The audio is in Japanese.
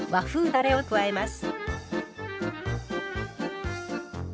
だれを加えます。